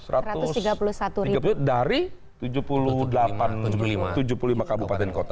satu ratus tiga puluh satu ribu dari tujuh puluh lima kabupaten kota